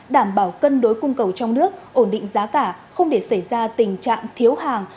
đảm bảo cân đối cung cầu trong nước ổn định giá cả không để xảy ra tình trạng thiếu hàng